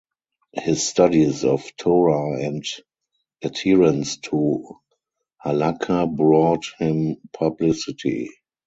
His studies of Torah and adherence to Halakha brought him publicity.